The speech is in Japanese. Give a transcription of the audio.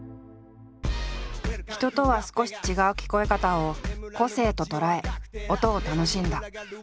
人とは少し違う聞こえ方を個性と捉え音を楽しんだ。